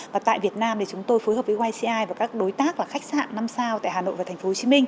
và tại việt nam thì chúng tôi phối hợp với wici và các đối tác là khách sạn năm sao tại hà nội và tp hcm